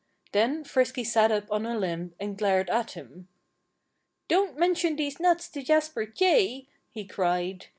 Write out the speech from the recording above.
Then Frisky sat up on a limb and glared at him. "Don't mention these nuts to Jasper Jay!" he cried.